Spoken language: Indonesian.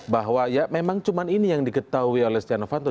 bahwa ya memang cuma ini yang diketahui oleh stiano fanto